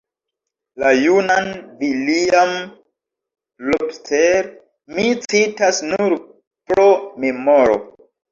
La junan Villiam Lobster mi citas nur pro memoro.